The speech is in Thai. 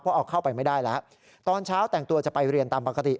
เพราะเอาเข้าไปไม่ได้แล้วตอนเช้าแต่งตัวจะไปเรียนตามปกติ